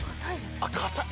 あっ硬い！